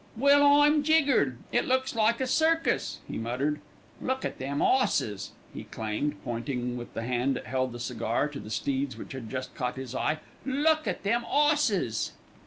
"Well, I'm jiggered! It looks like a circus," he muttered. "Look at them 'osses!" he exclaimed, pointing with the hand that held the cigar to the steeds which had just caught his eye. "Look at them 'osses!"